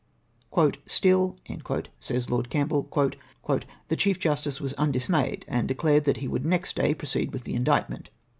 " Still," says Lord Campbell, " the Chief Justice was undismayed, and declared that he would next day pro ceed with the indictment.